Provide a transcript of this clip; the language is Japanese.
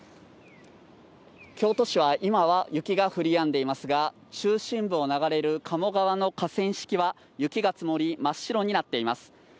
京都市は今は雪が降りやんでいますが、中心部を流れる鴨川の河川敷は、雪が積もり、真っ白になっています。